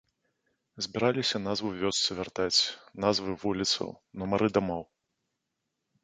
Збіраліся назву вёсцы вяртаць, назвы вуліцаў, нумары дамоў.